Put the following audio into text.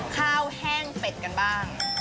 แห้งเป็ดกันบ้าง